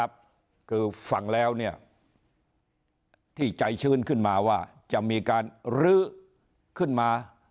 คือฟังแล้วเนี่ยที่ใจชื้นขึ้นมาว่าจะมีการรื้อขึ้นมา